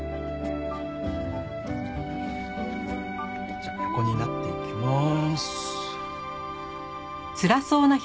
じゃあ横になっていきます。